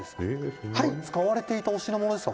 「使われていたお品物ですか？